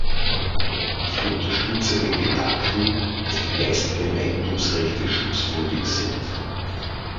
Ich unterstütze den Gedanken, dass die geistigen Eigentumsrechte schutzwürdig sind.